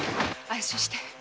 安心して。